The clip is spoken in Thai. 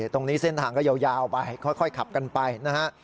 เส้นทางก็ยาวไปค่อยขับกันไปนะฮะ